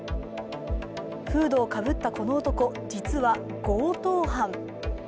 フードをかぶったこの男、実は強盗犯。